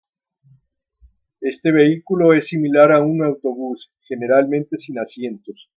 Este vehículo es similar a un autobús, generalmente sin asientos.